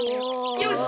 よし！